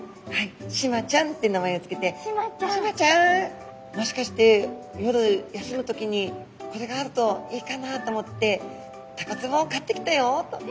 シマちゃんって名前を付けて「シマちゃんもしかして夜休む時にこれがあるといいかなと思ってタコつぼを買ってきたよ」と。